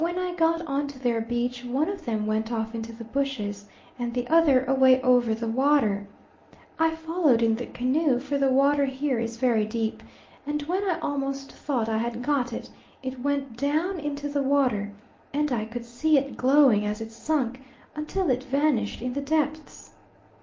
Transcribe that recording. When I got on to their beach one of them went off into the bushes and the other away over the water. I followed in the canoe, for the water here is very deep, and, when I almost thought I had got it, it went down into the water and I could see it glowing as it sunk until it vanished in the depths.